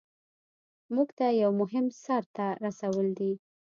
مونږ ته یو مهم سر ته رسول دي.